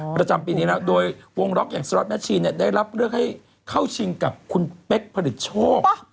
ประจำปีนี้แล้วโดยวงล็อกอย่างสล็อตแมทชีนเนี่ยได้รับเลือกให้เข้าชิงกับคุณเป๊กผลิตโชค